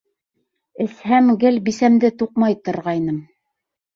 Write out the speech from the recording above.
Эсһәм, гел бисәмде туҡмай торғайным.